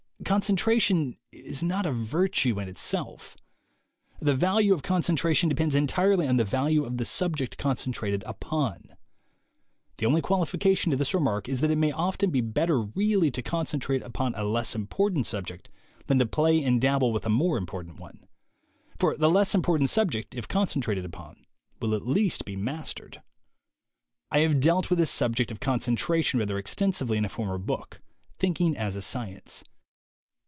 Concentration is not a virtue in itself. The value of concentration depends entirely on the value of the subject concentrated upon. The only qual ification to this remark is that it may often be better really to concentrate upon a less important subject than to play and dabble with a more impor tant one; for the less important subject, if con centrated upon, will at least be mastered. I have dealt with this subject of concentration rather extensively in a former book, Thinking as a Science.